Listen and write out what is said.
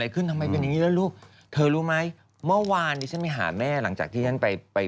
คือเขาคงไม่นึกหรอกว่า